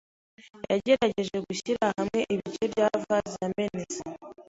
Yagerageje gushyira hamwe ibice bya vase yamenetse.